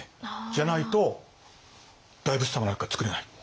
じゃないと大仏様なんかつくれない。